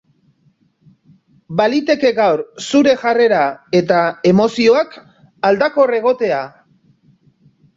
Baliteke gaur zure jarrera eta emozioak aldakor egotea.